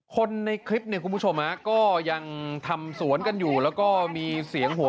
คนในคลิปเนี่ยคุณผู้ชมฮะก็ยังทำสวนกันอยู่แล้วก็มีเสียงหัว